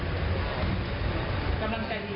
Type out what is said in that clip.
กำลังใจดี